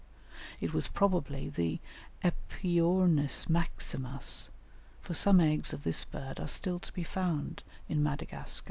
It was probably the "epyornis maximus," for some eggs of this bird are still to be found in Madagascar.